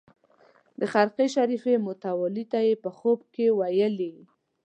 د خرقې شریفې متولي ته یې په خوب کې ویلي.